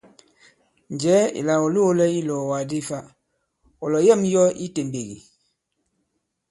Njɛ̀ɛ ìlà ɔ̀ loōlɛ i ilɔ̀ɔ̀wàk di fa, ɔ̀ làyɛ᷇m yɔ i itèmbèk ì?